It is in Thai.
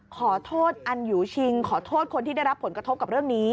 ขอโทษอันยูชิงขอโทษคนที่ได้รับผลกระทบกับเรื่องนี้